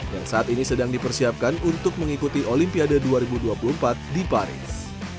yang saat ini sedang dipersiapkan untuk mengikuti olimpiade dua ribu dua puluh empat di paris